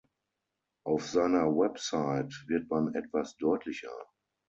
Auf seiner Website wird man etwas deutlicher.